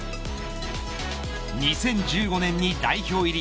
２０１５年に代表入り。